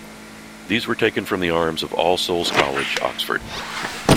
These were taken from the arms of All Souls College, Oxford.